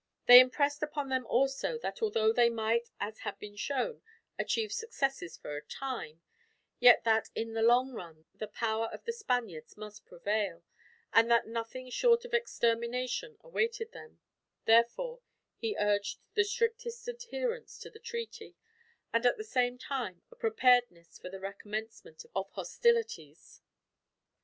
They impressed upon them also that although they might, as had been shown, achieve successes for a time, yet that in the long run the power of the Spaniards must prevail, and that nothing short of extermination awaited them; therefore he urged the strictest adherence to the treaty, and at the same time a preparedness for the recommencement of hostilities.